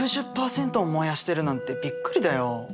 ６０％も燃やしてるなんてびっくりだよ。